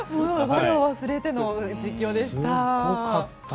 我を忘れての実況でした。